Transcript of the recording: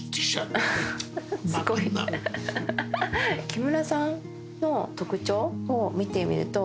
木村さんの特徴を見てみると。